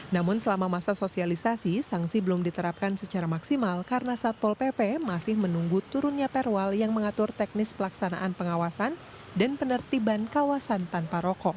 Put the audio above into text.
namun selama masa sosialisasi sanksi belum diterapkan secara maksimal karena satpol pp masih menunggu turunnya perwal yang mengatur teknis pelaksanaan pengawasan dan penertiban kawasan tanpa rokok